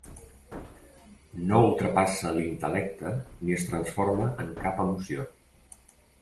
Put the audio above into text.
No ultrapassa l'intel·lecte ni es transforma en cap emoció.